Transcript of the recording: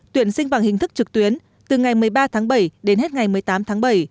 tuyển sinh bằng hình thức trực tuyến từ ngày một mươi ba tháng bảy đến hết ngày một mươi tám tháng bảy